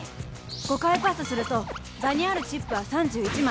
５回パスすると場にあるチップは３１枚。